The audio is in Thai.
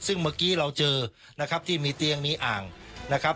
ซึ่งเมื่อกี้เราเจอนะครับที่มีเตียงมีอ่างนะครับ